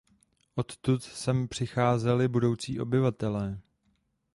Odtud sem přicházeli budoucí obyvatelé.